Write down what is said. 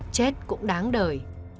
chết cũng đáng đời